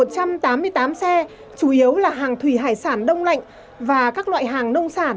chủ yếu là hàng thủy hải sản đông lạnh và các loại hàng nông sản